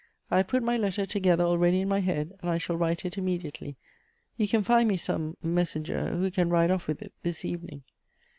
I have put my letter together ah eady in my head, and I shall write it immedi ately. You can find me some messenger, who can ride off with it this evening."